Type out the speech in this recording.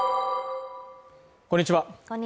こんにちは。